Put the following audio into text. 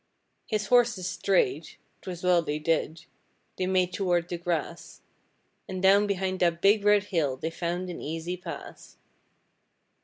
His horses strayed 'twas well they did they made towards the grass, And down behind that big red hill they found an easy pass.